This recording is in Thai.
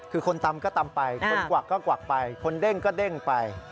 คือคนตำก็ตำไปคนกวักก็กวักไปคนเด้งก็เด้งไป